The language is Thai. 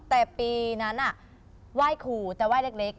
แต่ปีนั้นไหว้ขู่แต่ไห้เล็ก